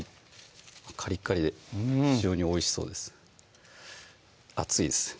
カリッカリで非常においしそうです熱いです